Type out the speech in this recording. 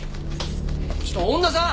ちょっと恩田さん！